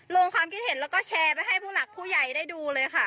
ลงความคิดเห็นแล้วก็แชร์ไปให้ผู้หลักผู้ใหญ่ได้ดูเลยค่ะ